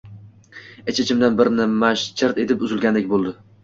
Ich-ichimdan bir nima chirt etib uzilgandek boʻldi.